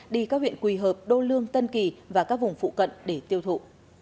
đi các huyện quỳ hợp đô lương tân kỳ và các vùng phụ cận để tiêu thụ